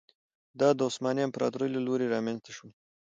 دا د عثماني امپراتورۍ له لوري رامنځته شول.